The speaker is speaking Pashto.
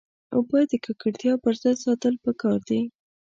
اوبه د ککړتیا پر ضد ساتل پکار دي.